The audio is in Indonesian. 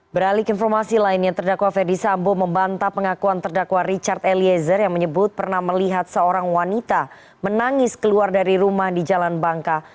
beralik informasi lainnya terdakwa ferdisambo membantah pengakuan terdakwa richard eliezer yang menyebut pernah melihat seorang wanita menangis keluar dari rumah di jalan bangka